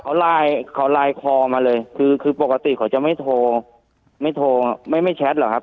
เขาไลน์เขาไลน์คอมาเลยคือคือปกติเขาจะไม่โทรไม่โทรไม่ไม่แชทหรอครับ